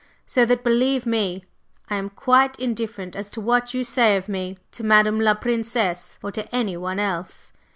So that, believe me, I am quite indifferent as to what you say of me to Madame la Princesse or to anyone else.